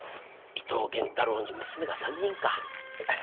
伊藤源太郎に娘が３人か。